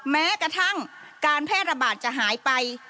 แม้กระทั่งการแพร่ระบาดจะหายไป